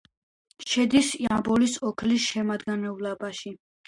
შედის იამბოლის ოლქის შემადგენლობაში.